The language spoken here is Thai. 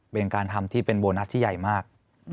เป็นการทำที่เป็นโบนัสที่ใหญ่มาก